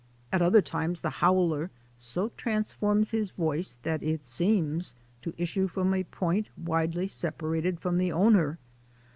At other times the howler so transfers his voice that it seems to issue from a point widely separated from the owner.